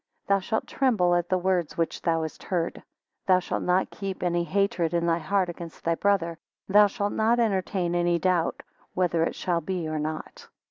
Thou shalt tremble at the words which thou hast heard. Thou shalt not keep any hatred in thy heart against thy brother. Thou shalt not entertain any doubt whether it shall be or not.